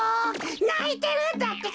ないてるんだってか！